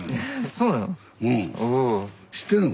そうなの？